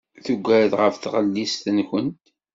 Tuggad ɣef tɣellist-nwent.